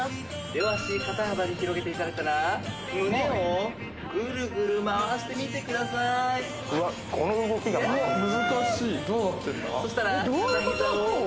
両脚肩幅に広げていただいたら胸をグルグル回してみてくださいイエース！